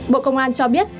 bộ công an cho biết